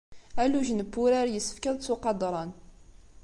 Alugen n wurar yessefk ad ttuqadṛen.